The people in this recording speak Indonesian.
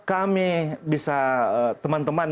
kami bisa teman teman